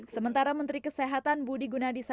sementara menteri kesehatan budi gunadisa